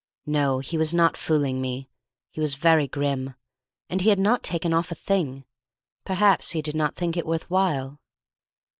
No, he was not fooling me. He was very grim. And he had not taken off a thing; perhaps he did not think it worth while.